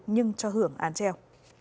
nhưng cho hưởng án treo